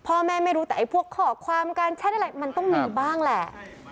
ไม่รู้แต่ไอ้พวกข้อความการแชทอะไรมันต้องมีบ้างแหละ